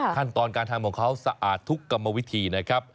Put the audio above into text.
ขั้นตอนการทำของเขาสะอาดทุกกรรมวิธีนะครับ